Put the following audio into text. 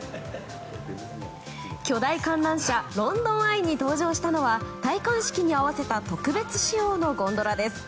巨大観覧車ロンドン・アイに登場したのは戴冠式に合わせた特別仕様のゴンドラです。